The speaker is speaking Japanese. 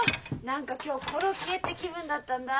何か今日コロッケって気分だったんだ。